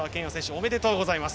おめでとうございます。